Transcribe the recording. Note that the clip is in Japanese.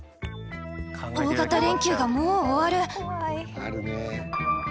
大型連休がもう終わる。